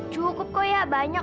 cukup kok ya banyak